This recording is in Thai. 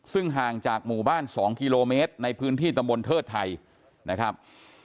ซึ่งห่างจากหมู่บ้าน๒กิโลเมตรในพื้นที่ตำบลเทิดไทยนะครับ